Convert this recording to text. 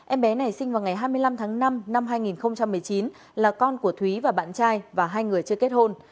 em bé này sinh vào ngày hai mươi năm tháng năm năm hai nghìn một mươi chín là con của thúy và bạn trai và hai người chưa kết hôn